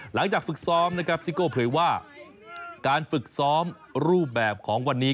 หลังจากฝึกซ้อมนะครับซิโก้เผยว่าการฝึกซ้อมรูปแบบของวันนี้